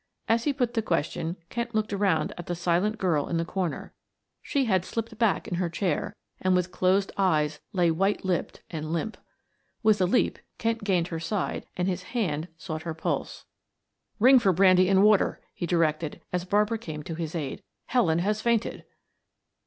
As he put the question Kent looked around at the silent girl in the corner; she had slipped back in her chair and, with closed eyes, lay white lipped and limp. With a leap Kent gained her side and his hand sought her pulse. "Ring for brandy and water," he directed as Barbara came to his aid. "Helen has fainted."